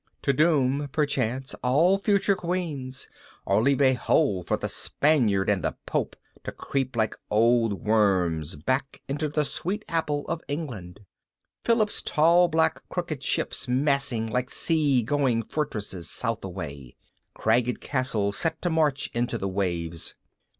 to doom, perchance, all future queens, or leave a hole for the Spaniard and the Pope to creep like old worms back into the sweet apple of England. Philip's tall black crooked ships massing like sea going fortresses south away cragged castles set to march into the waves.